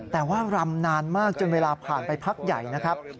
แต่ว่ารำนานมากจนเวลาผ่านไปพักใหญ่นะครับ